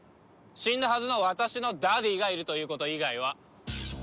死んだはずの私のダディーがいるということ以外は。